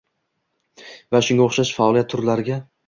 va shunga o‘xshash faoliyat turlariga